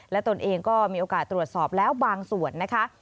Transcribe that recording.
และตนเองก็มีโอกาสตรวจสอบแล้วบางส่วนนะคะ